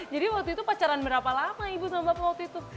jadi waktu itu pacaran berapa lama ibu sama bapak waktu itu